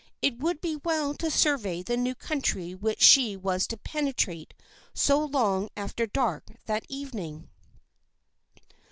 It would be well to survey the new country which she was to penetrate so long after dark that evening.